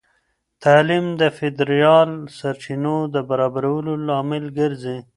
تعلیم د فیدرال سرچینو د برابرولو لامل ګرځي.